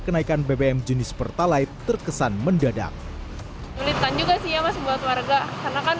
kenaikan bbm jenis pertalite terkesan mendadak sulitan juga sih ya masih buat warga karena kan